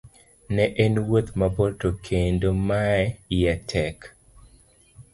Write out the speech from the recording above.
Ne en wuoth mabor to kendo ma iye tek